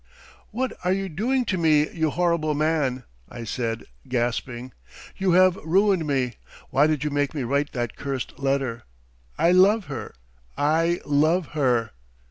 "'What are you doing to me, you horrible man?' I said, gasping. 'You have ruined me! Why did you make me write that cursed letter? I love her, I love her!'